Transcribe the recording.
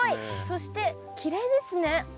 そしてきれいですね。